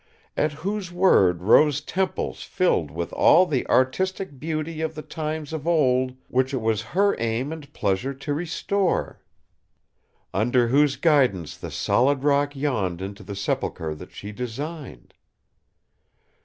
At whose word rose temples filled with all the artistic beauty of the Times of Old which it was her aim and pleasure to restore! Under whose guidance the solid rock yawned into the sepulchre that she designed!